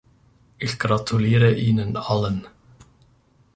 Ich gratuliere Ihnen allen.